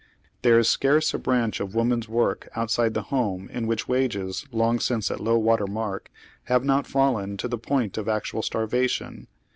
There is scarce a branch of woman's work ontside of the liome in which wages, long since at low water mark, have not fallen to the point of actual starvation.